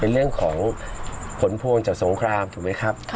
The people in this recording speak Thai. เป็นเรื่องของผลพวงจากสงครามถูกไหมครับ